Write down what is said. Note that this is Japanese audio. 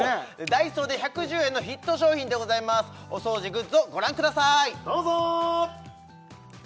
ＤＡＩＳＯで１１０円のヒット商品でございますお掃除グッズをご覧くださいどうぞ！